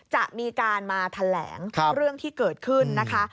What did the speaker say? จะมีการมาแถลงเรื่องที่เกิดขึ้นนะคะ